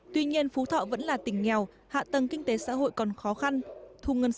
tuy nhiên phú thọ vẫn là tỉnh nghèo hạ tầng kinh tế xã hội còn khó khăn